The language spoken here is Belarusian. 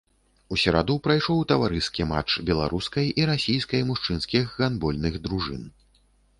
У сераду прайшоў таварыскі матч беларускай і расійскай мужчынскіх гандбольных дружын.